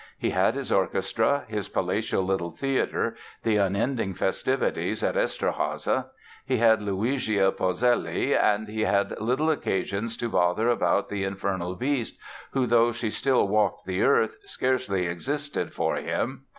He had his orchestra, his palatial little theatre, the unending festivities at Eszterháza; he had Luigia Polzelli and he had little occasion to bother about the "Infernal Beast", who, though she still walked the earth, scarcely existed for him.